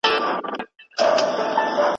شپږ اووه شپې په ټول ښار کي وه جشنونه